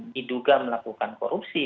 diduga melakukan korupsi